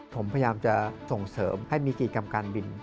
ผมพยายามจะส่งเสริมให้มีกิจกรรมการบิน